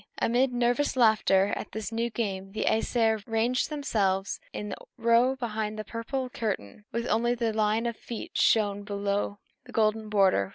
Amid nervous laughter at this new game, the Æsir ranged themselves in a row behind the purple curtain, with only their line of feet showing below the golden border.